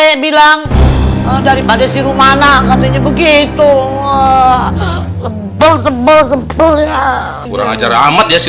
si rere bilang daripada si rumana katanya begitu sempel sempel sempel ya kurang ajar amat ya si